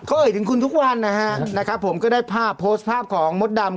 เอ่ยถึงคุณทุกวันนะฮะนะครับผมก็ได้ภาพโพสต์ภาพของมดดำ